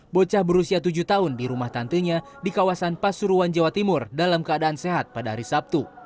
bocah berusia tujuh tahun di rumah tantenya di kawasan pasuruan jawa timur dalam keadaan sehat pada hari sabtu